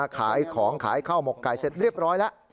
ขายของขายข้าวหมกไก่เสร็จเรียบร้อยแล้ว